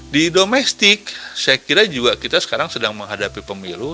di domestik saya kira juga kita sekarang sedang menghadapi pemilu